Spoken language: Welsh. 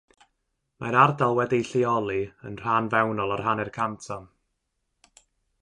Mae'r ardal wedi'i lleoli yn rhan fewnol yr hanner canton.